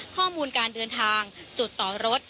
ข้อมูลการเดินทางจุดต่อรถ